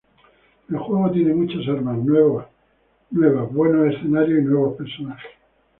El juego tiene muchas armas nuevas, buenos escenarios y nuevos personajes.